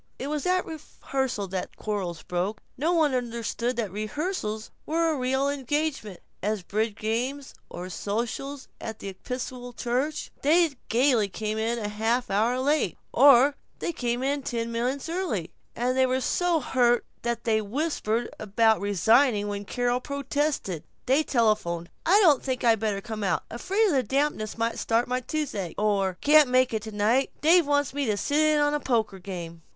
It was at rehearsals that the quarrrels broke. No one understood that rehearsals were as real engagements as bridge games or sociables at the Episcopal Church. They gaily came in half an hour late, or they vociferously came in ten minutes early, and they were so hurt that they whispered about resigning when Carol protested. They telephoned, "I don't think I'd better come out; afraid the dampness might start my toothache," or "Guess can't make it tonight; Dave wants me to sit in on a poker game."